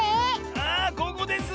あここです！